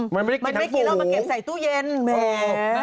มันไม่กินทั้งฝูงมันเก็บใส่ตู้เย็นแหม้ะโอ้โห